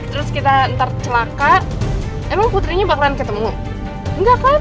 terus kita ntar celaka emang putrinya bakalan ketemu enggak kan